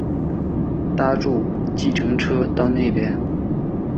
搭著计程车到那边